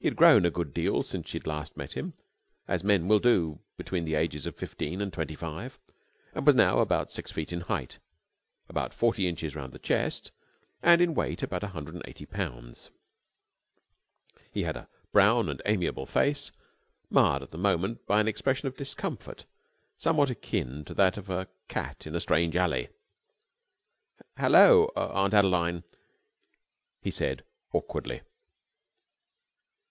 He had grown a good deal since she had last met him, as men will do between the ages of fifteen and twenty five, and was now about six feet in height, about forty inches round the chest, and in weight about one hundred and eighty pounds. He had a brown and amiable face, marred at the moment by an expression of discomfort somewhat akin to that of a cat in a strange alley. "Hallo, Aunt Adeline!" he said awkwardly.